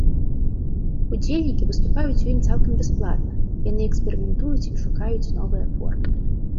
Удзельнікі выступаюць у ім цалкам бясплатна, яны эксперыментуюць і шукаюць новыя формы.